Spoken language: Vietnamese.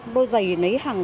đôi giày nấy hàng